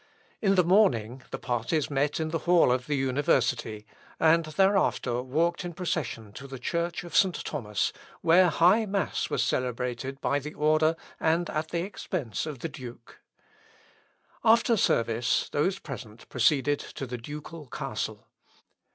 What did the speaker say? In the morning the parties met in the hall of the university, and thereafter walked in procession to the Church of St. Thomas, where high mass was celebrated by the order and at the expence of the duke. After service, those present proceeded to the ducal castle.